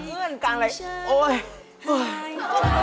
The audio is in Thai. การเลื่อนการอะไรโอ๊ย